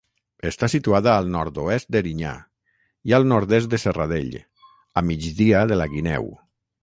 Està situada al nord-oest d'Erinyà i al nord-est de Serradell, a migdia de la Guineu.